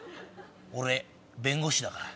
俺弁護士だから。